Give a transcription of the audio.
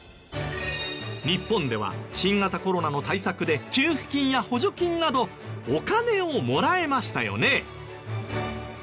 日本では新型コロナの対策で給付金や補助金などお金をもらえましたよね。